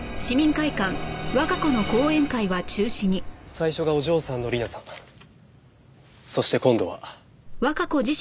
最初がお嬢さんの理菜さんそして今度は。